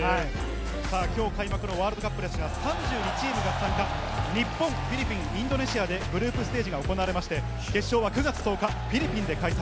きょう開幕のワールドカップですが、３２チームが参加、日本、フィリピン、インドネシアでグループステージが行われ、決勝は９月１０日、フィリピンで開催。